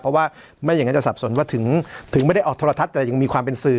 เพราะว่าไม่อย่างนั้นจะสับสนว่าถึงไม่ได้ออกโทรทัศน์แต่ยังมีความเป็นสื่อ